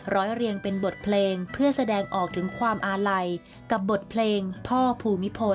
เรียงเป็นบทเพลงเพื่อแสดงออกถึงความอาลัยกับบทเพลงพ่อภูมิพล